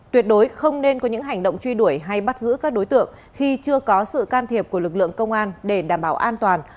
tuyệt đối không nên có những hành động truy đuổi hay bắt giữ các đối tượng khi chưa có sự can thiệp của lực lượng công an để đảm bảo an toàn